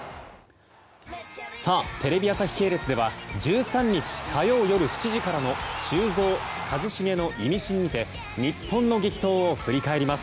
テレビ朝日系列では１３日火曜、夜７時からの「修造＆一茂のイミシン」にて日本の激闘を振り返ります。